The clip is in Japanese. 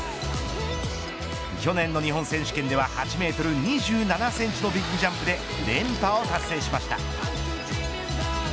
去年の日本選手権では８メートル２７センチのビッグジャンプで連覇を達成しました。